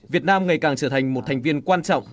việt nam ngày càng trở thành một thành viên quan trọng